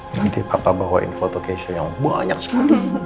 nanti papa bawain foto kece yang banyak sekali